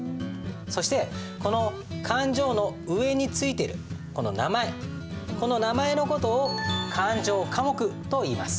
そしてこの勘定の上に付いている名前この名前の事を勘定科目といいます。